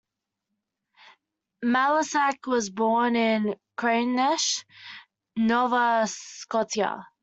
MacIsaac was born in Creignish, Nova Scotia.